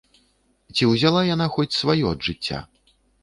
Ці ўзяла яна хоць сваё ад жыцця?